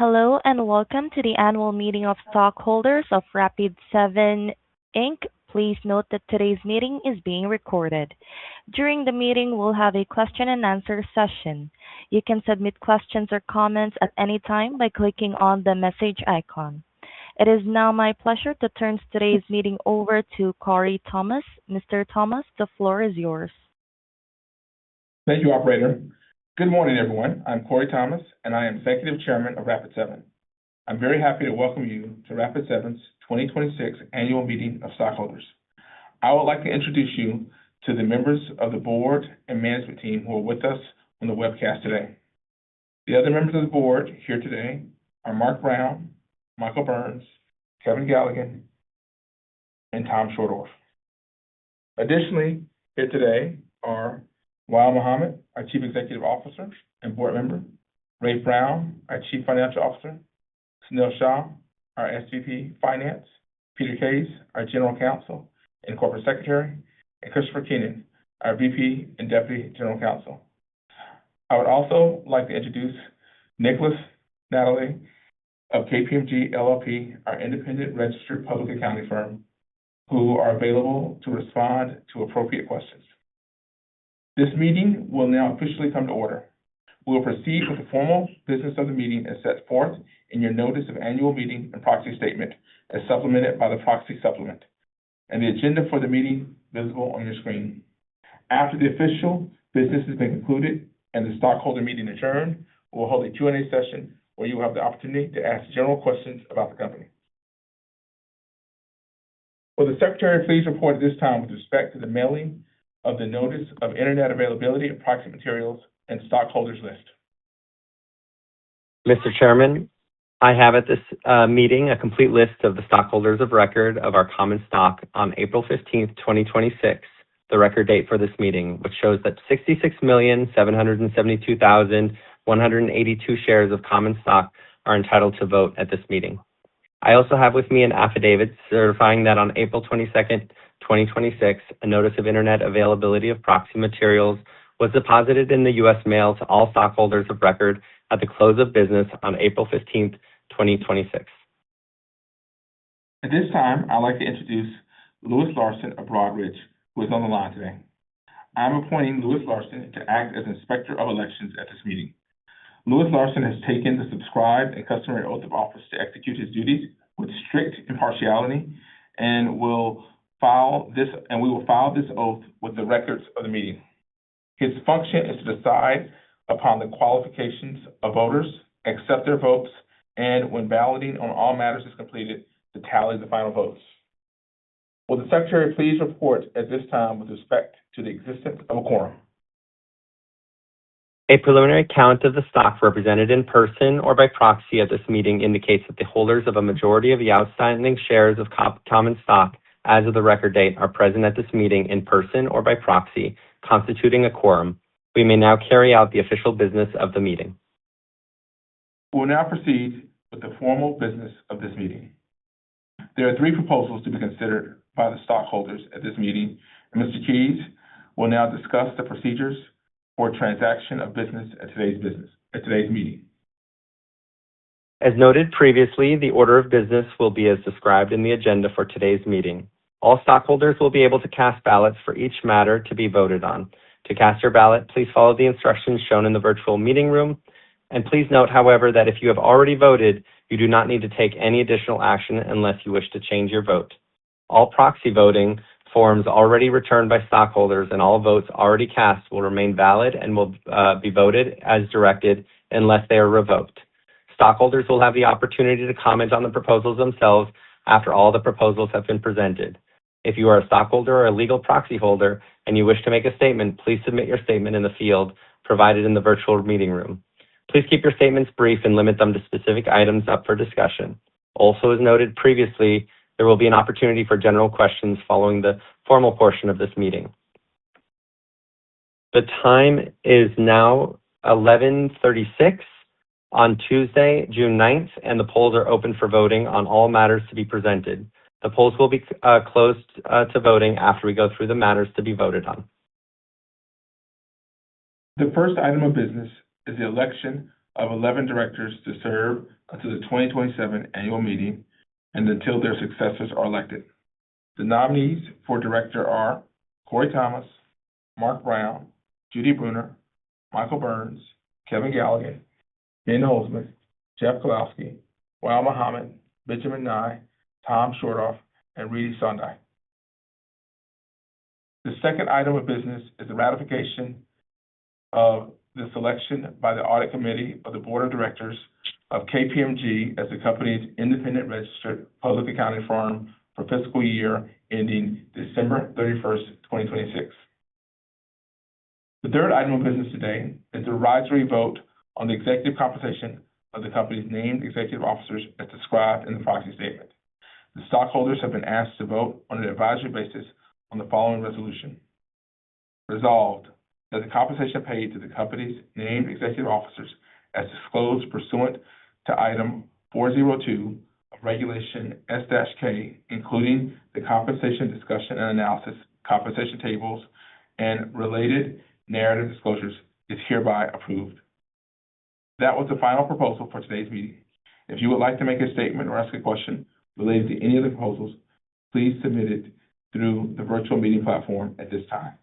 Welcome to the annual meeting of stockholders of Rapid7, Inc. Please note that today's meeting is being recorded. During the meeting, we'll have a question and answer session. You can submit questions or comments at any time by clicking on the message icon. It is now my pleasure to turn today's meeting over to Corey Thomas. Mr. Thomas, the floor is yours. Thank you, operator. Good morning, everyone. I'm Corey Thomas, and I am Executive Chairman of Rapid7. I'm very happy to welcome you to Rapid7's 2026 Annual Meeting of Stockholders. I would like to introduce you to the members of the board and management team who are with us on the webcast today. The other members of the board here today are Marc Brown, Mike Burns, Kevin Galligan, and Tom Schodorf. Additionally, here today are Wael Mohamed, our Chief Executive Officer and board member, Rafe Brown, our Chief Financial Officer, Sunil Shah, our SVP Finance, Peter Kaes, our General Counsel and Corporate Secretary, and Christopher Keenan, our VP and Deputy General Counsel. I would also like to introduce Nicholas Natale of KPMG LLP, our independent registered public accounting firm, who are available to respond to appropriate questions. This meeting will now officially come to order. We will proceed with the formal business of the meeting as set forth in your notice of annual meeting and proxy statement, as supplemented by the proxy supplement and the agenda for the meeting visible on your screen. After the official business has been concluded and the stockholder meeting adjourned, we'll hold a Q&A session where you will have the opportunity to ask general questions about the company. Will the Secretary please report at this time with respect to the mailing of the notice of Internet availability of proxy materials and stockholders list? Mr. Chairman, I have at this meeting a complete list of the stockholders of record of our common stock on April 15th, 2026, the record date for this meeting, which shows that 66,772,182 shares of common stock are entitled to vote at this meeting. I also have with me an affidavit certifying that on April 22nd, 2026, a notice of Internet availability of proxy materials was deposited in the U.S. mail to all stockholders of record at the close of business on April 15th, 2026. At this time, I'd like to introduce Louis Larson of Broadridge, who is on the line today. I'm appointing Louis Larson to act as Inspector of Elections at this meeting. Louis Larson has taken the subscribed and customary oath of office to execute his duties with strict impartiality, and we will file this oath with the records of the meeting. His function is to decide upon the qualifications of voters, accept their votes, and when balloting on all matters is completed, to tally the final votes. Will the Secretary please report at this time with respect to the existence of a quorum? A preliminary count of the stock represented in person or by proxy at this meeting indicates that the holders of a majority of the outstanding shares of common stock as of the record date are present at this meeting in person or by proxy, constituting a quorum. We may now carry out the official business of the meeting. We will now proceed with the formal business of this meeting. There are three proposals to be considered by the stockholders at this meeting. Mr. Kaes will now discuss the procedures for transaction of business at today's meeting. As noted previously, the order of business will be as described in the agenda for today's meeting. All stockholders will be able to cast ballots for each matter to be voted on. To cast your ballot, please follow the instructions shown in the virtual meeting room. Please note, however, that if you have already voted, you do not need to take any additional action unless you wish to change your vote. All proxy voting forms already returned by stockholders and all votes already cast will remain valid and will be voted as directed unless they are revoked. Stockholders will have the opportunity to comment on the proposals themselves after all the proposals have been presented. If you are a stockholder or a legal proxy holder and you wish to make a statement, please submit your statement in the field provided in the virtual meeting room. Please keep your statements brief and limit them to specific items up for discussion. As noted previously, there will be an opportunity for general questions following the formal portion of this meeting. The time is now 11:36 A.M. on Tuesday, June 9th, and the polls are open for voting on all matters to be presented. The polls will be closed to voting after we go through the matters to be voted on. The first item of business is the election of 11 directors to serve until the 2027 annual meeting and until their successors are elected. The nominees for director are Corey Thomas, Marc Brown, Judy Bruner, Mike Burns, Kevin Galligan, Ben Holzman, Jeff Kalowski, Wael Mohamed, Benjamin Nye, Tom Schodorf and Reeny Sondhi. The second item of business is the ratification of the selection by the audit committee of the board of directors of KPMG as the company's independent registered public accounting firm for fiscal year ending December 31st, 2026. The third item of business today is the advisory vote on the executive compensation of the company's named executive officers as described in the proxy statement. The stockholders have been asked to vote on an advisory basis on the following resolution. Resolved, that the compensation paid to the company's named executive officers, as disclosed pursuant to Item 402 of Regulation S-K, including the compensation discussion and analysis compensation tables and related narrative disclosures is hereby approved. That was the final proposal for today's meeting. If you would like to make a statement or ask a question related to any of the proposals, please submit it through the virtual meeting platform at this time.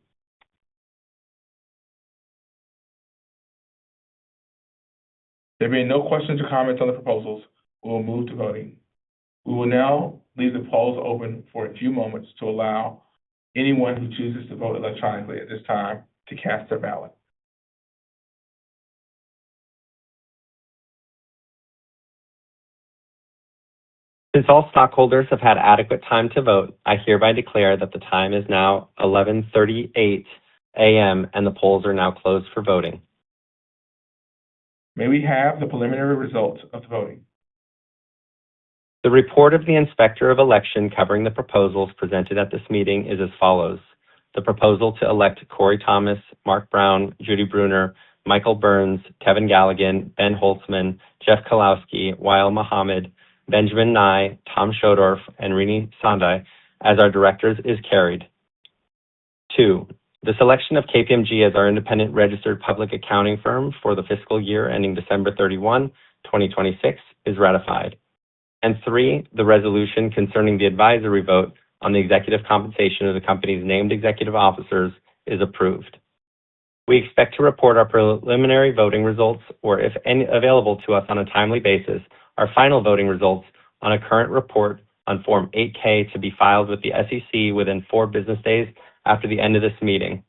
There being no questions or comments on the proposals, we will move to voting. We will now leave the polls open for a few moments to allow anyone who chooses to vote electronically at this time to cast their ballot. Since all stockholders have had adequate time to vote, I hereby declare that the time is now 11:38 A.M., and the polls are now closed for voting. May we have the preliminary results of the voting? The report of the Inspector of Election covering the proposals presented at this meeting is as follows: The proposal to elect Corey Thomas, Marc Brown, Judy Bruner, Michael Burns, Kevin Galligan, Ben Holzman, Jeff Kalowski, Wael Mohamed, Benjamin Nye, Tom Schodorf, and Reeny Sondhi as our directors is carried. Two, the selection of KPMG as our independent registered public accounting firm for the fiscal year ending December 31, 2026 is ratified. Three, the resolution concerning the advisory vote on the executive compensation of the company's named executive officers is approved. We expect to report our preliminary voting results, or if available to us on a timely basis, our final voting results on a current report on Form 8-K to be filed with the SEC within four business days after the end of this meeting.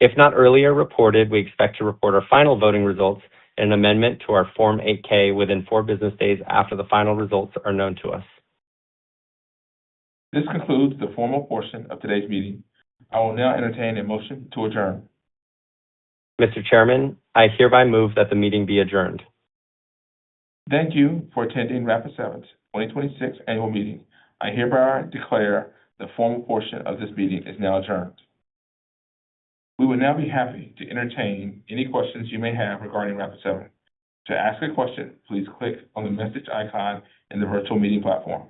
If not earlier reported, we expect to report our final voting results in an amendment to our Form 8-K within four business days after the final results are known to us. This concludes the formal portion of today's meeting. I will now entertain a motion to adjourn. Mr. Chairman, I hereby move that the meeting be adjourned. Thank you for attending Rapid7's 2026 annual meeting. I hereby declare the formal portion of this meeting is now adjourned. We will now be happy to entertain any questions you may have regarding Rapid7. To ask a question, please click on the message icon in the virtual meeting platform.